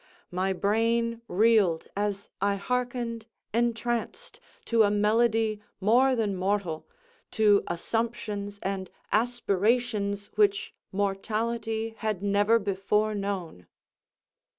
My brain reeled as I hearkened, entranced, to a melody more than mortal—to assumptions and aspirations which mortality had never before known.